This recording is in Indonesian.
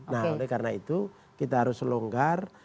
nah karena itu kita harus selonggar